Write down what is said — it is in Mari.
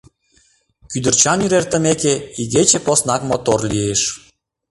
— Кӱдырчан йӱр эртымеке, игече поснак мотор лиеш.